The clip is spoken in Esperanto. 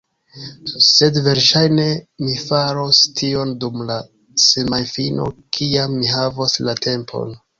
Sed verŝajne mi faros tion dum la semajnfino kiam mi havos la tempon.